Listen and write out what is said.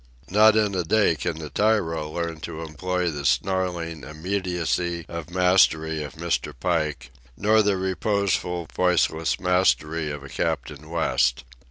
Not in a day can the tyro learn to employ the snarling immediacy of mastery of Mr. Pike, nor the reposeful, voiceless mastery of a Captain West.